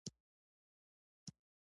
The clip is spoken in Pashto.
هغوی ستونزه د وخت په نوم پټه کړه.